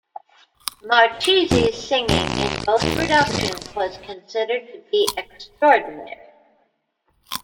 Marchesi's singing in both productions was considered to be extraordinary.